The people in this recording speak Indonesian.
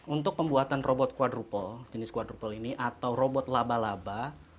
untuk pembuatan robot kuadruple jenis kuadruple ini atau robot laba laba